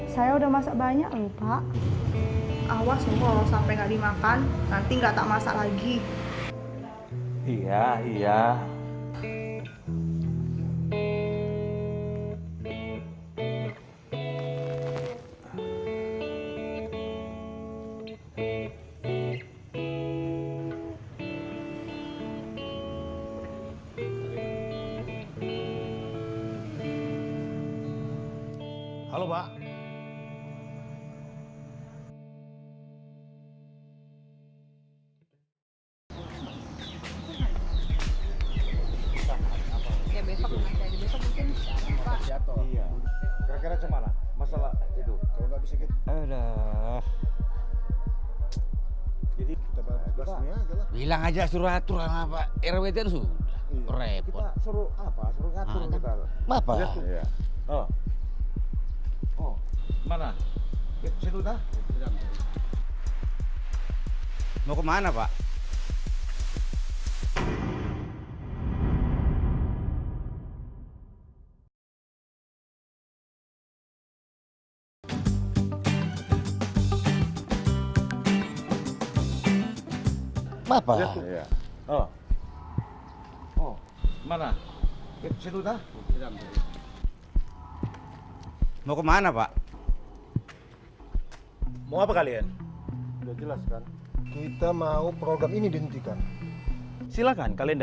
saya udah masak banyak lho pak